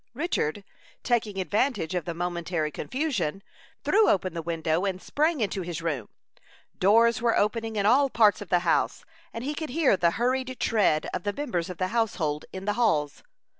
Richard, taking advantage of the momentary confusion, threw open the window, and sprang into his room. Doors were opening in all parts of the house, and he could hear the hurried tread of the members of the household in the halls.